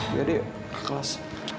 iya deh kelas